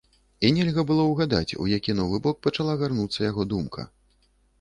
І нельга было ўгадаць, у які новы бок пачала гарнуцца яго думка.